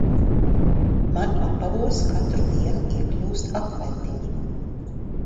Man apavos katru dienu iekļūst akmentiņi.